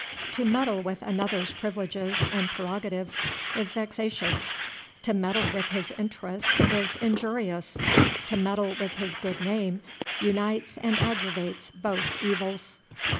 To meddle with another's privileges and prerogatives is vexatious; to meddle with his interests is injurious; to meddle with his good name unites and aggravates both evils.